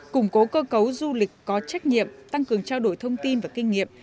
củng cố cơ cấu du lịch có trách nhiệm tăng cường trao đổi thông tin và kinh nghiệm